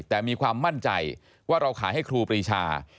แต่มีความมั่นใจว่าเราขายให้ครูปรีชา